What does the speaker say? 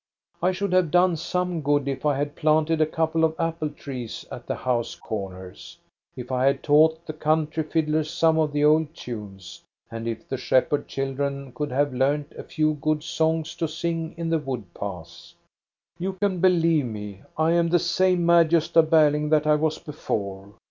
I should have done some good if I had planted a couple of apple trees at the house corners, if I had taught the country fiddlers some of the old tunes, and if the shepherd children could have learnt a few good songs to sing in the wood paths. " You can believe me, I am the same mad Gosta Berling that I was before.